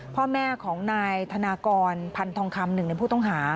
พ่อแม่ของนายธนากรพันธองคำหนึ่งในผู้ต้องหา